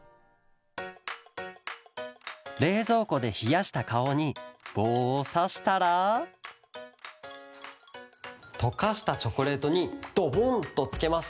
れいぞうこでひやしたかおにぼうをさしたら？とかしたチョコレートにドボンとつけます。